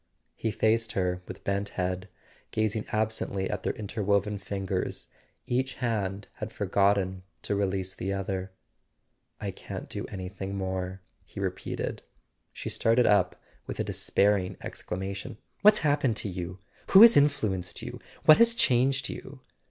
He faced her with bent head, gazing absently at their interwoven fingers: each hand had forgotten to release the other. "I can't do anything more," he repeated. She started up with a despairing exclamation. "What's happened to you? Who has influenced you? What has changed you?"